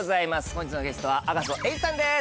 本日のゲストは赤楚衛二さんです